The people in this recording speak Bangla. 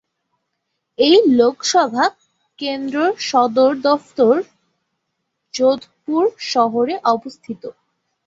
এই লোকসভা কেন্দ্রর সদর দফতর যোধপুর শহরে অবস্থিত।